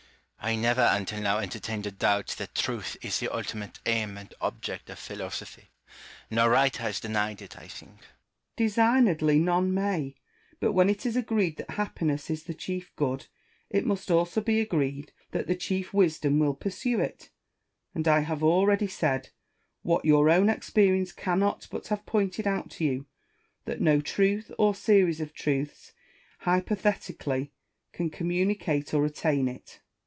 I never until now entertained a doubt that truth is the ultimate aim and object of philosophy : no writer has denied it, I think. Malesherhes. Designedly none may : but when it is agreed that happiness is the chief good, it must also be agreed that the chief wisdom will pursue it ; and I have already said, what your own experience cannot but have pointed out to you, that no truth, or series of truths, hypo thetically, can communicate or attain it.